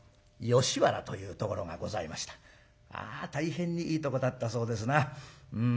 大変にいいとこだったそうですな。